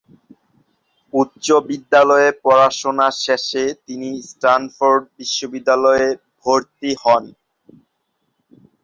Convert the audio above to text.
উচ্চ বিদ্যালয়ে পড়াশোনা শেষে তিনি স্ট্যানফোর্ড বিশ্ববিদ্যালয়-এ ভর্তি হন।